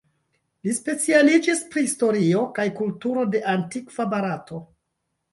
Li specialiĝis pri historio kaj kulturo de antikva Barato.